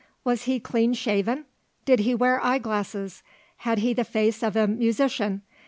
Was he clean shaven? Did he wear eyeglasses? Had he the face of a musician?